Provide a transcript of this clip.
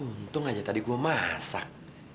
untung aja tadi gue masak